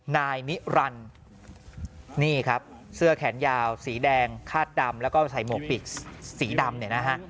นายนิรันดิ์นี่ครับเสื้อแขนยาวสีแดงคาดดำแล้วก็ใส่หมวกปีกสีดำเนี่ยนะฮะ